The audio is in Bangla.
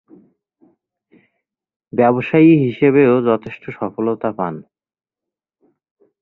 ব্যবসায়ী হিসেবেও যথেষ্ট সফলতা পান।